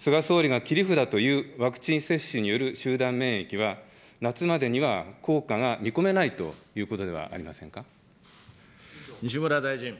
菅総理が切り札というワクチン接種による集団免疫は、夏までには効果が見込めないということでは西村大臣。